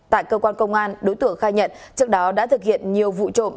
tại cơ quan công an đối tượng khai nhận trước đó đã thực hiện nhiều vụ trộm